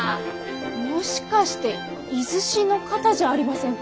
もしかして出石の方じゃありませんか？